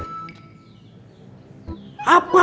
kamu sabar menunggu hasilnya